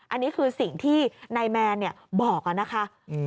อันนี้คือสิ่งที่นายแมนบอกนะคะ